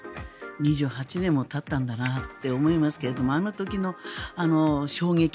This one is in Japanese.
２８年もたったんだなって思いますけれどあの時の衝撃